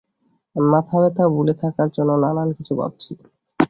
আমি মাথাব্যথা ভুলে থাকার জন্যে নানান কিছু ভাবছি।